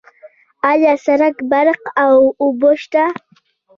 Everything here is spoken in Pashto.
آیا سرک، برق او اوبه شته؟